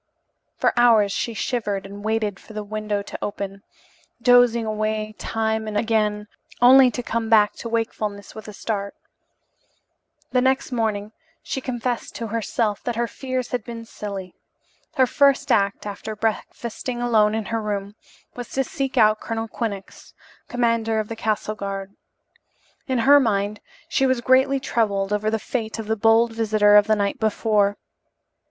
For hours she shivered and waited for the window to open, dozing away time and again only to come back to wakefulness with a start. The next morning she confessed to herself that her fears had been silly. Her first act after breakfasting alone in her room was to seek out Colonel Quinnox, commander of the castle guard. In her mind she was greatly troubled over the fate of the bold visitor of the night before.